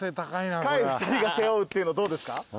下位２人が背負うっていうのどうですか？